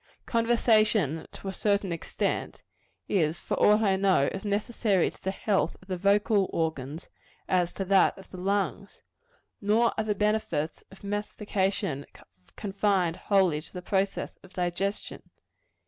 Conversation, to a certain extent, is, for aught I know, as necessary to the health of the vocal organs, as to that of the lungs. Nor are the benefits of mastication confined wholly to the process of digestion.